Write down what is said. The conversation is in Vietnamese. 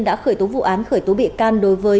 đã khởi tố vụ án khởi tố bị can đối với